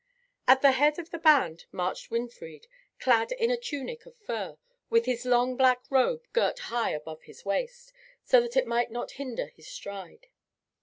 At the head of the band marched Winfried, clad in a tunic of fur, with his long black robe girt high above his waist, so that it might not hinder his stride.